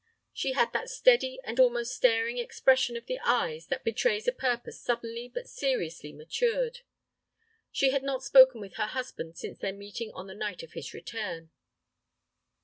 She had that steady and almost staring expression of the eyes that betrays a purpose suddenly but seriously matured. She had not spoken with her husband since their meeting on the night of his return.